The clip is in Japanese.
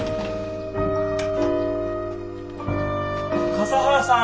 笠原さん。